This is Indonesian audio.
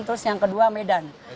terus yang kedua medan